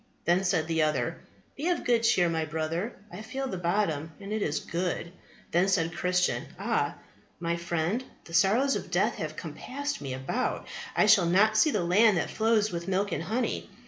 Then said the other, Be of good cheer, my brother, I feel the bottom, and it is good. Then said Christian, Ah, my friend, the sorrows of death have compassed me about; I shall not see the land that flows with milk and honey.